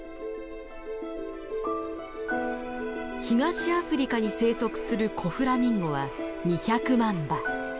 東アフリカに生息するコフラミンゴは２００万羽。